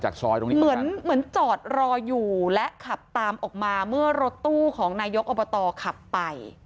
เหมือนจอดรออยู่และขับตามออกมาเมื่อรถตู้ของนายกอุปตอบขับไป